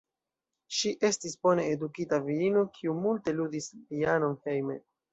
Ŝi estis bone edukita virino, kiu multe ludis pianon hejme.